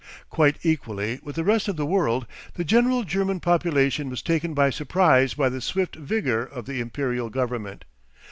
Quite equally with the rest of the world, the general German population was taken by surprise by the swift vigour of the Imperial government.